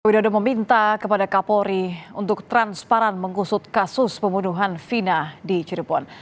widodo meminta kepada kapolri untuk transparan mengusut kasus pembunuhan fina di cirebon